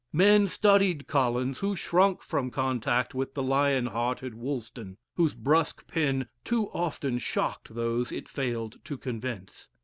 Men studied Collins who shrunk from contact with the lion hearted Woolston, whose brusque pen too often shocked those it failed to convince.